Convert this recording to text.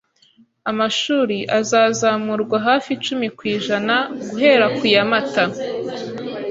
Amashuri azazamurwa hafi icumi ku ijana guhera ku ya Mata .